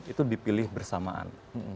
itu dipilih bersamaan